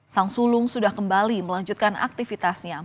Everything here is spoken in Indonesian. sang sulung sudah kembali melanjutkan aktivitas penjara